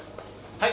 はい。